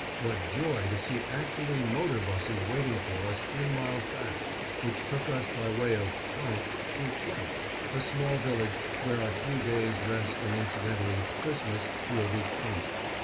What joy to see actually motor buses waiting for us three miles back, which took us by way of to , a small village where our few days' rest and incidentally Christmas, will be spent.